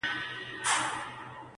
ګورئ تر خلوته چي خُمونه غلي غلي وړي-”-